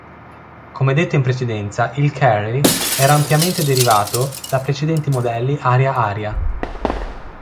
Come detto in precedenza, il "Kerry" era ampiamente derivato da precedenti modelli aria-aria.